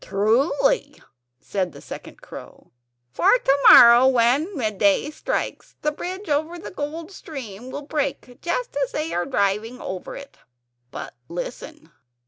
"Truly," said the second crow; "for to morrow, when midday strikes, the bridge over the Gold Stream will break just as they are driving over it. But, listen!